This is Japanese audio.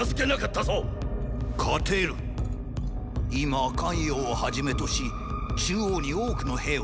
今咸陽をはじめとし中央に多くの兵はいない。